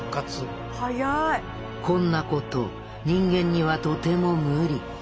こんなこと人間にはとても無理。